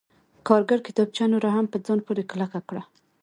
کارګر کتابچه نوره هم په ځان پورې کلکه کړه